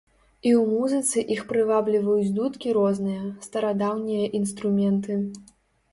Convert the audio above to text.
І ў музыцы іх прывабліваюць дудкі розныя, старадаўнія інструменты.